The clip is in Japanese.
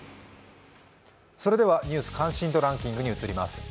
それでは「ニュース関心度ランキング」に移ります。